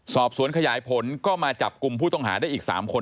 สอบสวนขยายผลก็มาจับกลุ่มผู้ต้องหาได้อีก๓คน